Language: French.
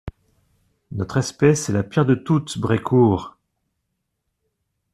Notre espèce est la pire de toutes, Brécourt !